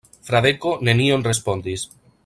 Fradeko nenion respondis.